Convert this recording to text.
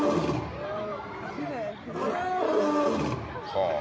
はあ。